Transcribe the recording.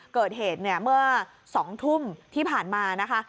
เกิดเหตุเนี่ยเมื่อ๒ทุ่มที่ผ่านมานะคะ